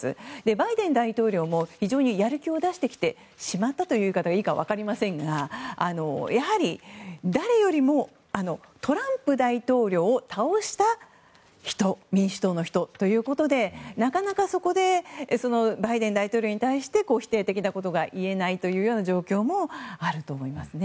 バイデン大統領も非常にやる気を出してきてしまったという言い方がいいか分かりませんが誰よりもトランプ大統領を倒した民主党の人ということでなかなか、そこでバイデン大統領に対して否定的なことが言えないという状況もあると思いますね。